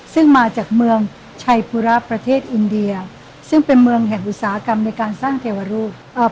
ซึ่งมาจากเมืองชัยภูระประเทศอินเดียซึ่งเป็นเมืองแห่งอุตสาหกรรมในการสร้างเทวรูปเอ่อ